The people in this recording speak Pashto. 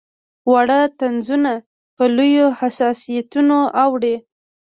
واړه طنزونه په لویو حساسیتونو اوړي.